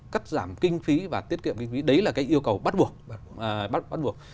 cách giảm kinh phí và tiết kiệm kinh phí đấy là cái yêu cầu bắt buộc